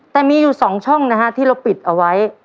แต่มีอยู่๒ช่องนะฮะที่เราปิดเอาไว้